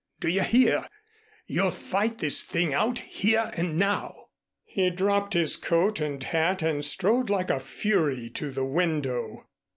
Do you hear? You'll fight this thing out here and now." He dropped his coat and hat and strode like a fury to the window.